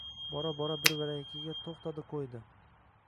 Bora-bora birvarakayiga to‘xtadi-ko‘ydi